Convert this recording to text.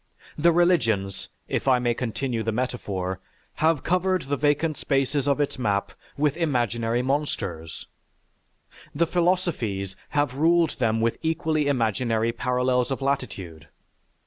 The religions, if I may continue the metaphor, have covered the vacant spaces of its map with imaginary monsters; the philosophies have ruled them with equally imaginary parallels of latitude.